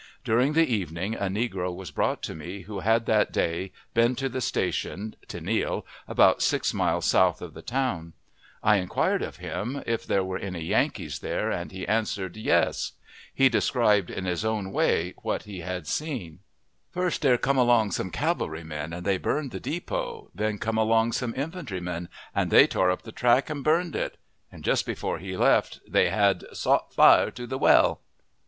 During the evening a negro was brought to me, who had that day been to the station (Tenille), about six miles south of the town. I inquired of him if there were any Yankees there, and he answered, "Yes." He described in his own way what he had seen. "First, there come along some cavalry men, and they burned the depot; then come along some infantry men, and they tore up the track, and burned it;" and just before he left they had "sot fire to the well."